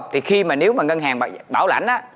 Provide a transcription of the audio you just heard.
thì khi mà nếu mà ngân hàng bảo lãnh